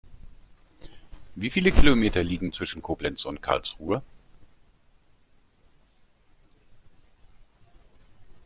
Wie viele Kilometer liegen zwischen Koblenz und Karlsruhe?